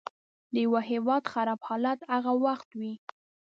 د یوه هیواد خراب حالت هغه وخت وي.